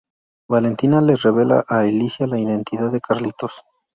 Valentina le revela a Alicia la identidad de Carlitos.